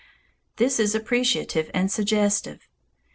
This is appreciative and suggestive.